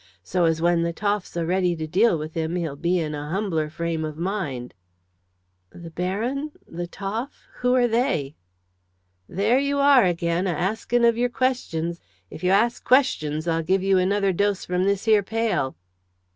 'So as when the Toff's a ready to deal with him he'll be in a humbler frame of mind.'" "The Baron? the Toff? who are they?" "There you are again, a asking of your questions. If you ask questions I'll give you another dose from this here pail."